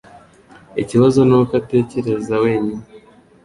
Ikibazo nuko atekereza wenyine.